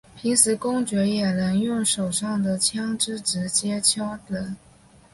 平时公爵也能用手上的枪枝直接敲人。